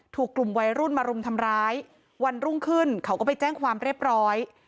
ถูกกลุ่มวัยรุ่นมารุมทำร้ายวันรุ่งขึ้นเขาก็ไปแจ้งความเรียบร้อย